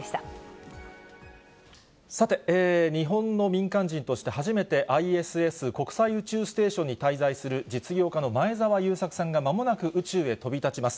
さて、日本の民間人として初めてＩＳＳ・国際宇宙ステーションに滞在する実業家の前澤友作さんがまもなく宇宙へ飛び立ちます。